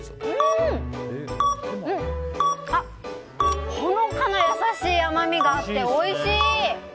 あ、ほのかな優しい甘みがあっておいしい！